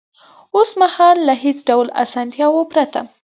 اوس مهال له هېڅ ډول اسانتیاوو پرته